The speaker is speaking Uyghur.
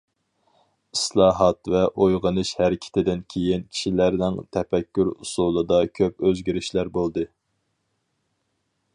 ئىسلاھات ۋە ئويغىنىش ھەرىكىتىدىن كېيىن كىشىلەرنىڭ تەپەككۇر ئۇسۇلىدا كۆپ ئۆزگىرىشلەر بولدى.